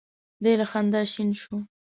دی له خندا شین شو.